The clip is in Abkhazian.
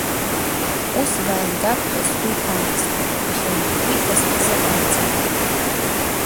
Ус баазгап ҳәа сгәы иҭамызт, аха иаҳгәиҭаз ҳзыҟамҵеит.